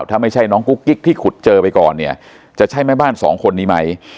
ถ้าไม่ใช่น้องกุ๊กกิ๊กที่ขุดเจอไปก่อนเนี่ยจะใช่แม่บ้านสองคนนี้ไหม